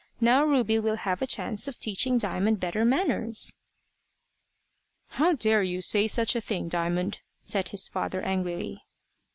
Now Ruby will have a chance of teaching Diamond better manners." "How dare you say such a thing, Diamond?" said his father, angrily.